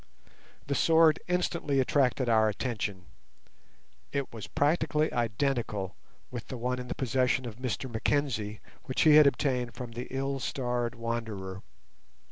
The sword instantly attracted our attention; it was practically identical with the one in the possession of Mr Mackenzie which he had obtained from the ill starred wanderer.